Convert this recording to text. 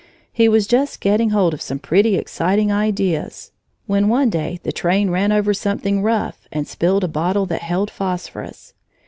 He was just getting hold of some pretty exciting ideas, when one day the train ran over something rough and spilled a bottle that held phosphorus.